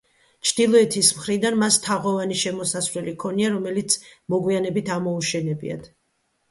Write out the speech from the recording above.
ჩრდილოეთის მხრიდან მას თაღოვანი შემოსასვლელი ჰქონია, რომელიც მოგვიანებით ამოუშენებიათ.